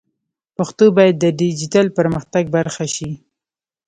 پښتو باید د ډیجیټل پرمختګ برخه شي.